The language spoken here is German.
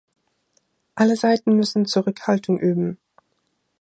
Alle Seiten müssen Zurückhaltung üben.